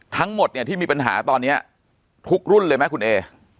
ทั้งหมดเนี่ยที่มีปัญหาตอนนี้ทุกรุ่นเลยไหมคุณเอ